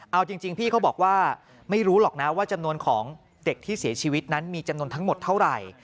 เอาจริงพี่เขาบอกว่าไม่รู้หรอกนะว่าจำนวนของเด็กที่เสียชีวิตนั้นมีจำนวนทั้งหมดเท่าไหร่